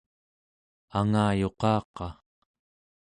angayuqaqa